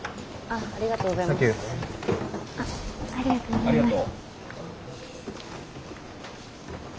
ありがとう。